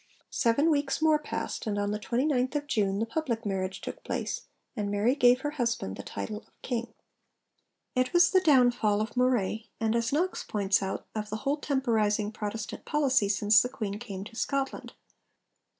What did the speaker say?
Seven weeks more passed, and on the 29th June the public marriage took place, and Mary gave her husband the title of king. It was the downfall of Moray, and, as Knox points out, of the whole temporising Protestant policy since the Queen came to Scotland.